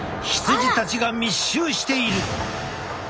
羊たちが密集している。